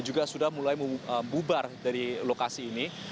juga sudah mulai membubar dari lokasi ini